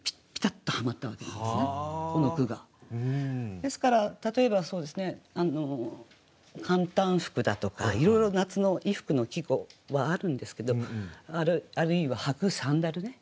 ですから例えば「簡単服」だとかいろいろ夏の衣服の季語はあるんですけどあるいは履く「サンダル」ね。